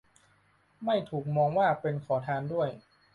ไม่ถูกมองว่าเป็นขอทานด้วย